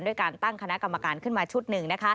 การตั้งคณะกรรมการขึ้นมาชุดหนึ่ง